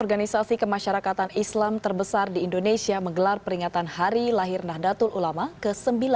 organisasi kemasyarakatan islam terbesar di indonesia menggelar peringatan hari lahir nahdlatul ulama ke sembilan puluh